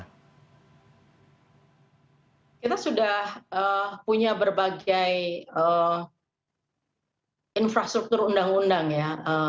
kita sudah punya berbagai infrastruktur undang undang ya